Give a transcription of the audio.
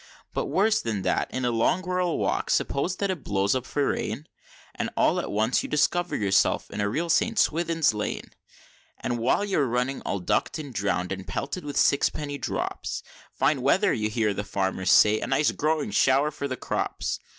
But worse than that, in a long rural walk, suppose that it blows up for rain, And all at once you discover yourself in a real St. Swithin's Lane; And while you're running all ducked and drown'd, and pelted with sixpenny drops, "Fine weather," you hear the farmers say; "a nice growing show'r for the crops!"